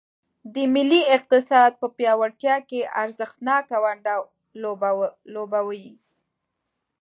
د ملي اقتصاد په پیاوړتیا کې ارزښتناکه ونډه لوبوي.